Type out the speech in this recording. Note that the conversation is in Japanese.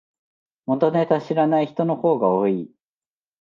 元ネタ知らない人の方が多い